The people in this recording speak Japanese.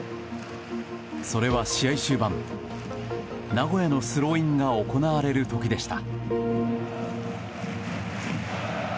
それは試合終盤、名古屋のスローインが行われる時でした。